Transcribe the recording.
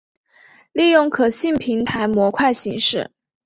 利用可信平台模块形式。